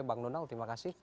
bang donald terima kasih